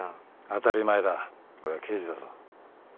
当たり前だ俺は刑事だぞ。